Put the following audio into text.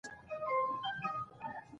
برکت په حرکت کې دی.